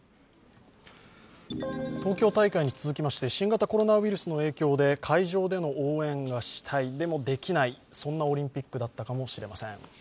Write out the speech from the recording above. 東京大会に続きまして新型コロナウイルスの影響で会場での応援がしたい、でもできない、そんなオリンピックだったかもしれません。